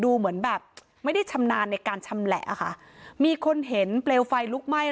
ดูเหมือนแบบไม่ได้ชำนาญในการชำแหละค่ะมีคนเห็นเปลวไฟลุกไหม้